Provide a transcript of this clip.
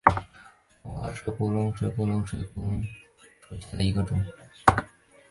中华水龙骨为水龙骨科水龙骨属下的一个种。